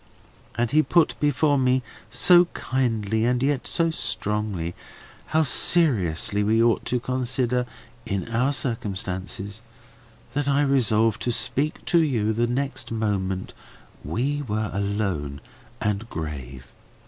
And he put before me so kindly, and yet so strongly, how seriously we ought to consider, in our circumstances, that I resolved to speak to you the next moment we were alone and grave.